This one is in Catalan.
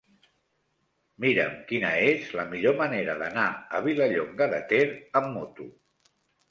Mira'm quina és la millor manera d'anar a Vilallonga de Ter amb moto.